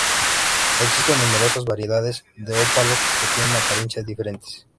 Existen numerosas variedades de ópalo que tienen apariencias diferentes.